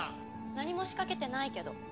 何も仕掛けてないけど。